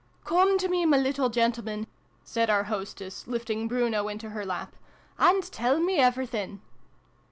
" COME to me, my little gentleman,'' said our hostess, lifting Bruno into her lap, "and tell me everything."